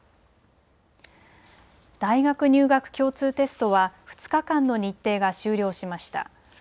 大学入学共通テストは２日間の日程が終了しました。